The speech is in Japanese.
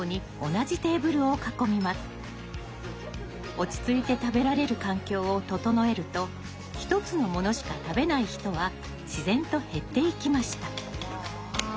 落ち着いて食べられる環境を整えると一つのものしか食べない人は自然と減っていきました。